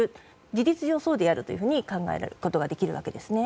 事実上そうであると考えることができるわけですね。